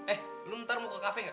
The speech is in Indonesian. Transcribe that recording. eh lo ntar mau ke kafe nggak